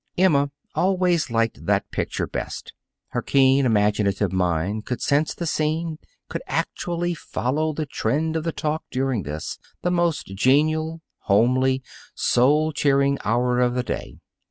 Emma always liked that picture best. Her keen, imaginative mind could sense the scene, could actually follow the trend of the talk during this, the most genial, homely, soul cheering hour of the day.